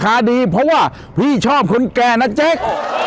กะทาศน์แล้วจะเอาคนแก่น่ารัก